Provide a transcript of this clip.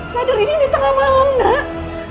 sadar ini di tengah malam nak